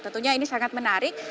tentunya ini sangat menarik